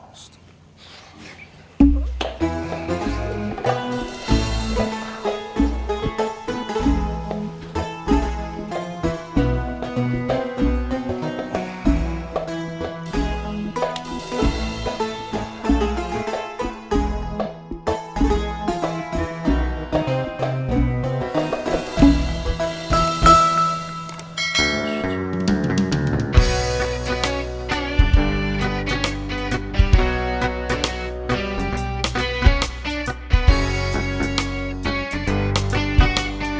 assalamualaikum warahmatullahi wabarakatuh